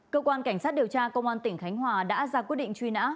cơ quan cảnh sát điều tra công an tỉnh khánh hòa đã ra quyết định truy nã